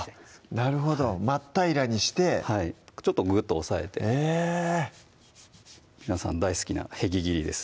なるほど真っ平らにしてはいちょっとぐっと押さえてへぇ皆さん大好きなへぎ切りです